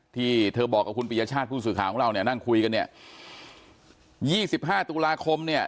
ที่เธอบอกกับคุณปียชาติผู้สื่อข่าวของเราเนี่ยนั่งคุยกันเนี่ยยี่สิบห้าตุลาคมเนี่ย